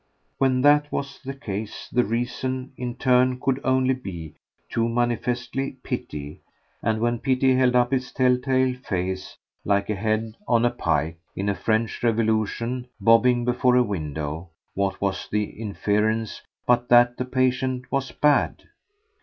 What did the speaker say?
When that was the case the reason, in turn, could only be, too manifestly, pity; and when pity held up its telltale face like a head on a pike, in a French revolution, bobbing before a window, what was the inference but that the patient was bad?